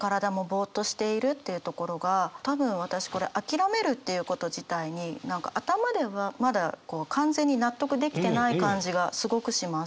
っていうところが多分私これ諦めるっていうこと自体に何か頭ではまだこう完全に納得できてない感じがすごくします。